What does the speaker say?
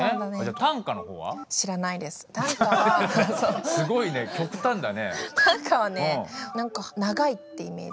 短歌はね何か長いってイメージ。